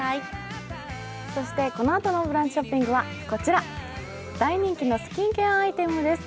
このあとの「ブランチ」ショッピングはこちら、大人気のスキンケアアイテムです。